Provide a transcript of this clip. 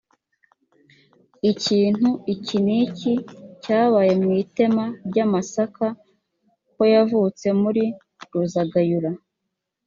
ikintu iki n iki cyabaye mu itema ry amasaka koyavutse muri ruzagayura